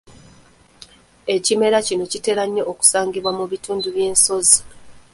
Ekimera kino kitera nnyo okusangibwa mu bitundu eby'ensozi.